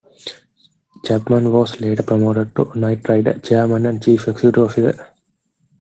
Chapman was later promoted to Knight-Ridder chairman and chief executive officer.